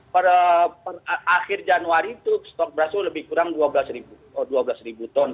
per akhir januari itu stok beras itu lebih kurang rp dua belas